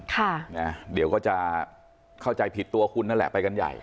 ค่ะนะเดี๋ยวก็จะเข้าใจผิดตัวคุณนั่นแหละไปกันใหญ่